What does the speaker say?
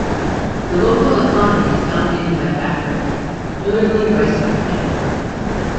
The local economy is dominated by agriculture, notably rice production.